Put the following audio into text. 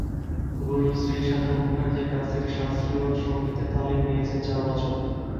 গুরু শ্রী সাধন মুখার্জীর কাছ থেকে শাস্ত্রীয় সংগীতে তালিম নিয়েছেন চার বছর।